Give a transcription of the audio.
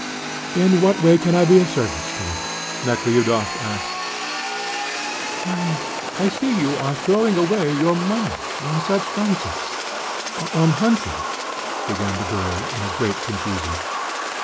"In what way can I be of service to you?" Nekhludoff asked. "I I I see you are throwing away your money on such nonsense on hunting," began the girl, in great confusion.